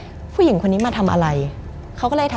มันกลายเป็นรูปของคนที่กำลังขโมยคิ้วแล้วก็ร้องไห้อยู่